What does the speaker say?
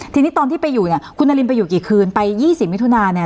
ทีนี้ตอนที่ไปอยู่เนี่ยคุณนารินไปอยู่กี่คืนไป๒๐มิถุนาเนี่ย